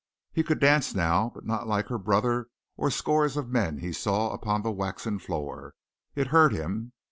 He could dance now, but not like her brother or scores of men he saw upon the waxen floor. It hurt him.